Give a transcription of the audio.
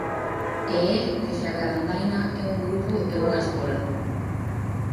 E é que Xacarandaina é un grupo e unha escola.